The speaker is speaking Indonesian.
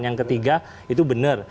yang ketiga itu benar